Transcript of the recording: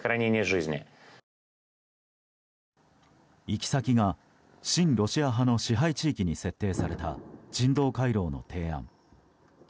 行き先が親ロシア派の支配地域に設定された人道回廊の提案。